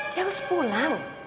dia harus pulang